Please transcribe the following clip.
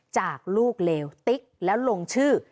จากลูกเลวติ๊กแล้วลงชื่อ